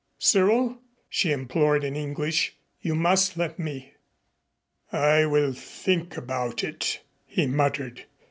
Cyril," she implored in English, "you must let me." "I will think about it," he muttered.